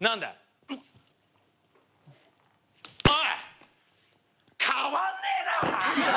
おい！